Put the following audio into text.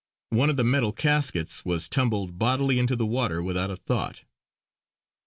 One of the metal caskets was tumbled bodily into the water without a thought.